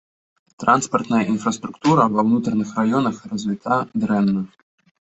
Транспартная інфраструктура ва ўнутраных раёнах развіта дрэнна.